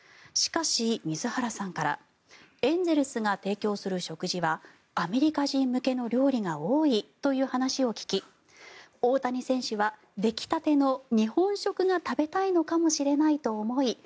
しかし、水原さんからエンゼルスが提供する食事はアメリカ人向けの料理が多いという話を聞き大谷選手は出来たての日本食が食べたいのかもしれないと思い